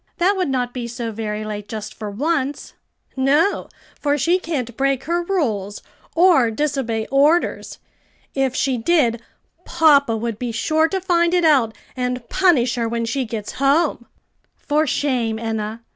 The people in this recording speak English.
that would not be so very late just for once." "No, for she can't break her rules, or disobey orders. If she did, papa would be sure to find it out and punish her when she gets home." "For shame, Enna!